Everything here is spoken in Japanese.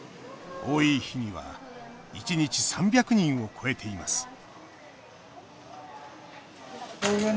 多い日には１日３００人を超えています